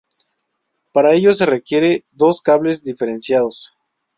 Para ello se requieren dos cables diferenciados.